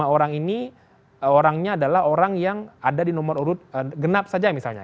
lima orang ini orangnya adalah orang yang ada di nomor urut genap saja misalnya